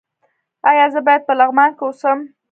ایا زه باید په لغمان کې اوسم؟